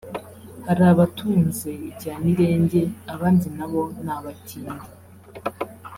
"Hari abatunze ibya mirenge abandi nabo ni abatindi